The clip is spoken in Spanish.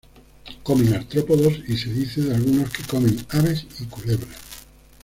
Comen artrópodos, y se dice de algunos que comen aves y culebras.